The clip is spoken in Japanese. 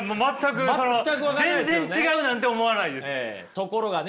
ところがね